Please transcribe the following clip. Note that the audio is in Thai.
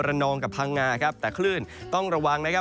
นองกับพังงาครับแต่คลื่นต้องระวังนะครับ